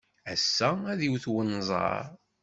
Ass-a, ad iwet unẓar.